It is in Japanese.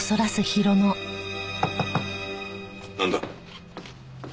なんだ？